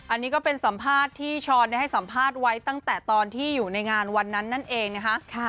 อันนี้ก็เป็นสัมภาษณ์ที่ช้อนได้ให้สัมภาษณ์ไว้ตั้งแต่ตอนที่อยู่ในงานวันนั้นนั่นเองนะคะ